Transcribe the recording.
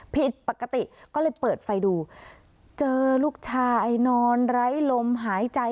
ผิดปกติก็เลยเปิดไฟดูเจอลูกชายนอนไร้ลมหายใจ